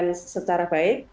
dan secara baik